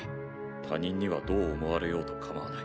他人にはどう思われようとかまわない。